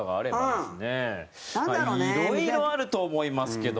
まあ、いろいろあると思いますけど。